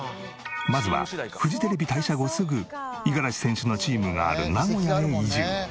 まずはフジテレビ退社後すぐ五十嵐選手のチームがある名古屋へ移住。